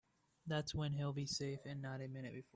That's when he'll be safe and not a minute before.